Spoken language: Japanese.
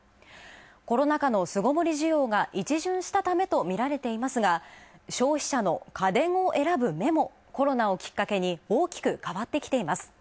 コロナ禍の巣ごもり需要が一巡したためと見られていますが、消費者の家電を選ぶ目もコロナをきっかけに大きく変わってきています。